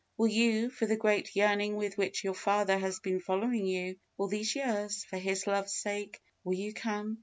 Will you, for the great yearning with which your Father has been following you all these years for His love's sake, will you come?